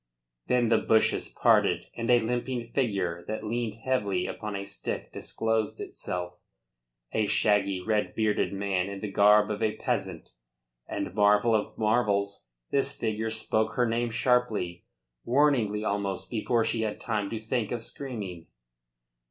Then the bushes parted and a limping figure that leaned heavily upon a stick disclosed itself; a shaggy, red bearded man in the garb of a peasant; and marvel of marvels! this figure spoke her name sharply, warningly almost, before she had time to think of screaming.